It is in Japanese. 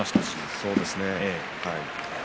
そうですね。